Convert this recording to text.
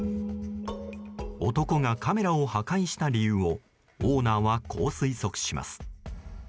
男がカメラを破壊した理由をオーナーは、こう推測します。